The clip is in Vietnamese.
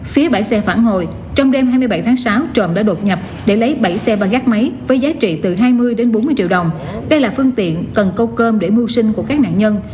phía bãi xe phản hồi trong đêm hai mươi bảy tháng sáu trộm đã đột nhập để lấy bảy xe và gác máy với giá trị từ hai mươi đến bốn mươi triệu đồng đây là phương tiện cần câu cơm để mưu sinh của các nạn nhân